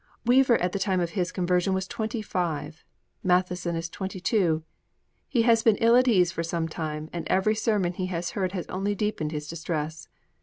Weaver, at the time of his conversion, was twenty five: Matheson is twenty two. He has been ill at ease for some time, and every sermon he has heard has only deepened his distress.